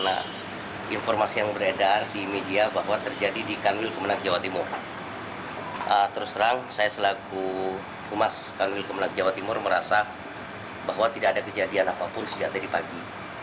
humas kemenak jawa timur merasa bahwa tidak ada kejadian apapun sejak tadi pagi